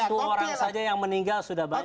satu orang saja yang meninggal sudah banyak